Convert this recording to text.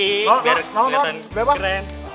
biar kelihatan keren